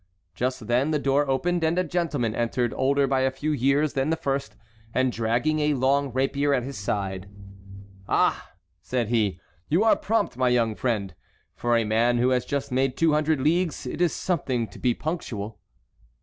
Just then the door opened and a gentleman entered older by a few years than the first, and dragging a long rapier at his side. "Ah!" said he, "you are prompt, my young friend. For a man who has just made two hundred leagues it is something to be so punctual."